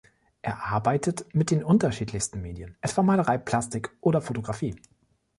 Er arbeitet mit den unterschiedlichsten Medien, etwa Malerei, Plastik oder Fotografie.